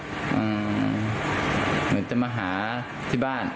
เหมือนจะมาหาที่บ้าน